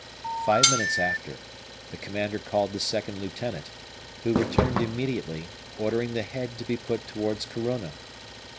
Five minutes after, the commander called the second lieutenant, who returned immediately, ordering the head to be put towards Corunna.